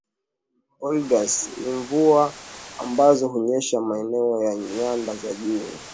Olgisan ni Mvua ambazo hunyesha maeneo ya nyanda za juu